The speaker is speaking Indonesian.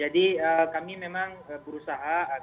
jadi kami memang berusaha agar dalam proses pemilihan